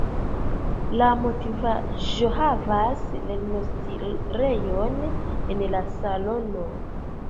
La modifaĵohavas lernostirejon en la salono.